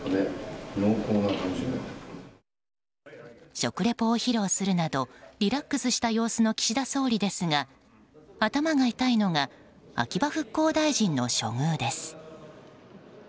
食リポを披露するなどリラックスした様子の岸田総理ですが頭が痛いのが秋葉復興大臣の処遇です。